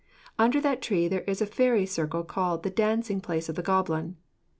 Under that tree there is a fairy circle called The Dancing Place of the Goblin.